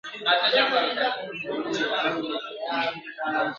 ستا غیبت مي تر هیڅ غوږه نه دی وړی ..